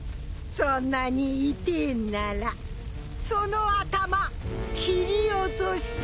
そんなに痛えんならその頭切り落としてやるよ。